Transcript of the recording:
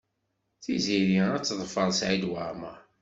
Tiziri ad teḍfer Saɛid Waɛmaṛ.